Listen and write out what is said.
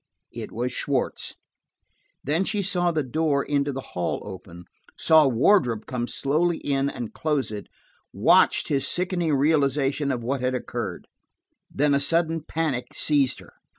It was Schwartz. Then she saw the door into the hall open, saw Wardrop come slowly in and close it, watched his sickening realization of what had occurred; then a sudden panic seized her.